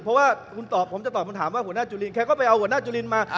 เพราะว่าผมจะตอบคำถามว่าแค่ก็ไปเอาวรรณาจุลินมา